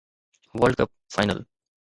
world cup final